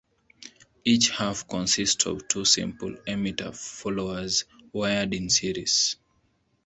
Each half consists of two simple emitter followers wired in series.